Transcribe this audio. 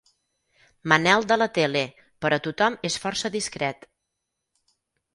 Manel de la tele, però tothom és força discret.